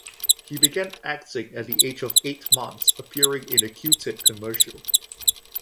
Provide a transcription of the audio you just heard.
He began acting at the age of eight months, appearing in a Q-Tip commercial.